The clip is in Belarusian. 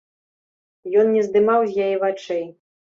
Ён не здымаў з яе вачэй.